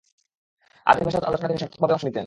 আরবী ভাষার আলোচনায় তিনি সার্থকভাবে অংশ নিতেন।